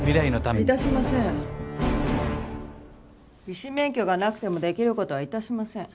医師免許がなくても出来る事は致しません。